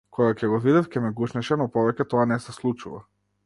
Кога ќе го видев ќе ме гушнеше но повеќе тоа не се случува.